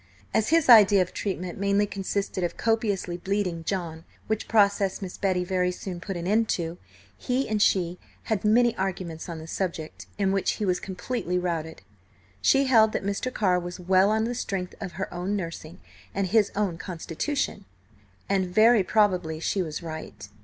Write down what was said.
As his idea of treatment mainly consisted of copiously bleeding John, which process Miss Betty very soon put an end to, he and she had many arguments on the subject, in which he was completely routed. She held that Mr. Carr was well on the strength of her nursing and his own constitution–and very probably she was right.